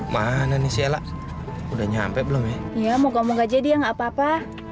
mana nih siala udah nyampe belum ya iya mau kamu gak jadi nggak papa